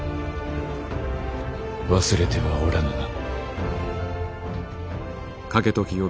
忘れてはおらぬな。